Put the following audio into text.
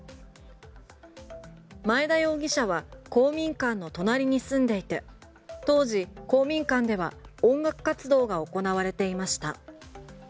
前田容疑者は公民館の隣に住んでいて当時、公民館では音楽活動が行われていました。